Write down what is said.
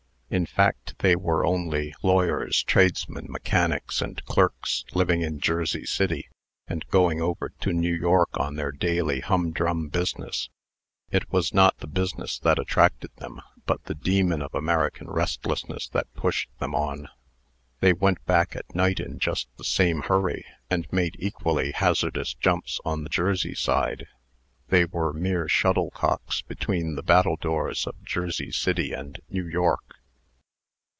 In fact, they were only lawyers, tradesmen, mechanics, and clerks, living in Jersey City, and going over to New York on their daily, humdrum business. It was not the business that attracted them, but the demon of American restlessness that pushed them on. They went back at night in just the same hurry, and made equally hazardous jumps on the Jersey side. They were mere shuttlecocks between the battledoors of Jersey City and New York.